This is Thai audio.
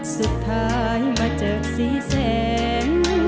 สุดท้ายมาจากสี่แสง